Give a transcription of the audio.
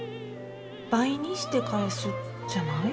「倍」にして返すじゃない？